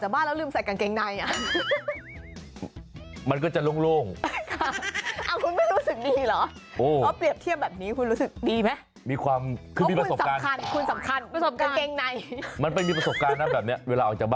แบบถัดพี่สันคิดถึงอย่างนี้อะฮะ